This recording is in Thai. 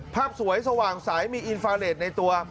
ภาพสวยสว่างใสมีอินฟาเลสในตัว